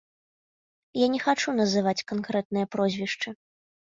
Я не хачу называць канкрэтныя прозвішчы.